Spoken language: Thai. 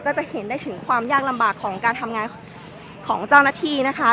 จะเห็นได้ถึงความยากลำบากของการทำงานของเจ้าหน้าที่นะคะ